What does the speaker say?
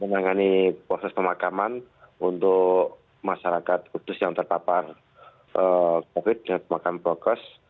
menangani proses pemakaman untuk masyarakat kudus yang terpapar covid sembilan belas dengan pemakaman prokes